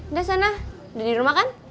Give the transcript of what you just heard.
udah sana udah di rumah kan